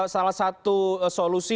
salah satu solusi